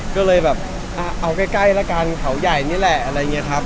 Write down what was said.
ก็เลยแบบเอาใกล้ละกันเขาใหญ่นี่แหละอะไรอย่างนี้ครับ